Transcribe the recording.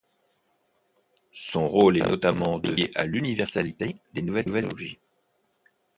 Son rôle est notamment de veiller à l’universalité des nouvelles technologies.